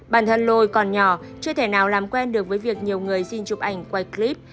bản thân lôi còn nhỏ chưa thể nào làm quen được với việc nhiều người xin chụp ảnh quay clip